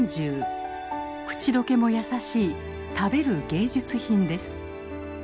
口溶けもやさしい食べる芸術品です。